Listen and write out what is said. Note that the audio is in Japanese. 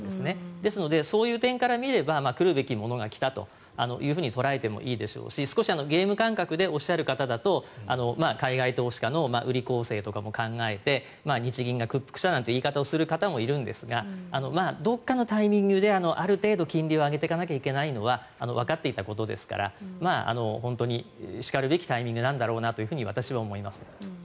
ですので、そういう点からみれば来るべきものが来たと捉えてもいいでしょうし少しゲーム感覚でおっしゃる方だと海外投資家の売り攻勢とかも考えて日銀が屈服したなんていう言い方をする方もいますがどこかのタイミングである程度、金利を上げていかなきゃいけないのはわかっていたことですから本当にしかるべきタイミングなんだろうなと私は思います。